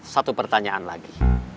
satu pertanyaan lagi